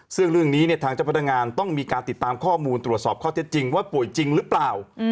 ซึ่งเรื่องนี้เนี่ยทางเจ้าพนักงานต้องมีการติดตามข้อมูลตรวจสอบข้อเท็จจริงว่าป่วยจริงหรือเปล่า